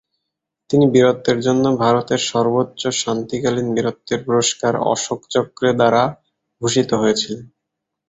তিনি বীরত্বের জন্য ভারতের সর্বোচ্চ শান্তিকালীন বীরত্বের পুরস্কার অশোক চক্রে দ্বারা ভূষিত হয়েছিলেন।